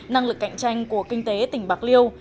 năng lực cạnh tranh của kinh tế tỉnh bạc liêu